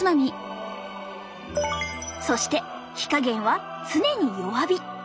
そして火加減は常に弱火！